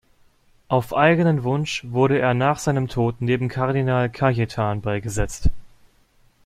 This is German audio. Auf eigenen Wunsch wurde er nach seinem Tod neben Kardinal Cajetan beigesetzt.